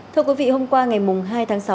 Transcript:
thưa quý vị hôm qua ngày hai tháng sáu